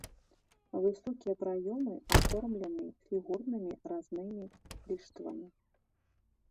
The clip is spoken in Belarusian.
Высокія праёмы аформлены фігурнымі разнымі ліштвамі.